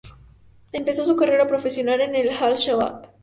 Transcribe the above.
Empezó su carrera profesional en el Al-Shabab.